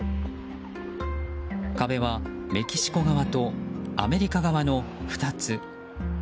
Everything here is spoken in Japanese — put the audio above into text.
壁はメキシコ側とアメリカ側の２つ。